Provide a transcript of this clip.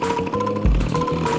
saya berangkat ke sana